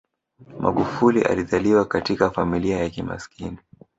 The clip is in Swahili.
magufuli alizaliwa katika familia ya kimaskini